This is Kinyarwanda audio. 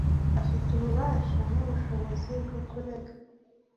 afite ububasha n’ ubushobozi byo kurega